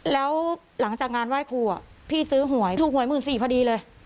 แล้วหลังจากงานไหว้ครูพี่ซื้อหวยถูกหวย๑๔๐๐พอดีเลย